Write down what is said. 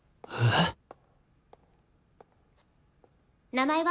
名前は？